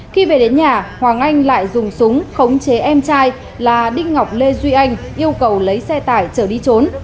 khi về đến nhà hoàng anh lại dùng súng khống chế em trai là đinh ngọc lê duy anh yêu cầu lấy xe tải chở đi trốn